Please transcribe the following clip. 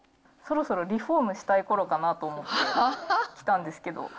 そろそろリフォームしたいころかなと思って来たんですけど。